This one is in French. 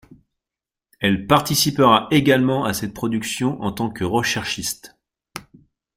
Elle participera également à cette production en tant que recherchiste.